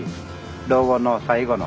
老後の最後の。